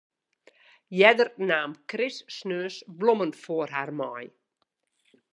Earder naam Chris sneons blommen foar har mei.